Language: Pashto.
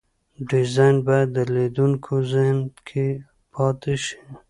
ډیزاین باید د لیدونکو ذهن کې پاتې شي.